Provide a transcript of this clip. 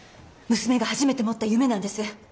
娘が初めて持った夢なんです。